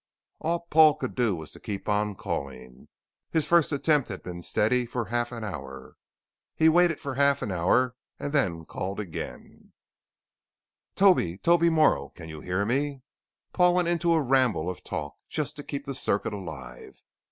All Paul could do was to keep on calling. His first attempt had been steady for a half hour. He waited for a half hour and then called again: "Toby! Toby Morrow. Can you hear me?" Paul went into a ramble of talk, just to keep the circuit alive.